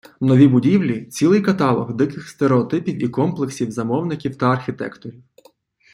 Нові будівлі – цілий каталог диких стереотипів і комплексів замовників та архітекторів.